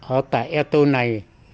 ở tại eto này